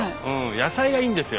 野菜がいいんですよ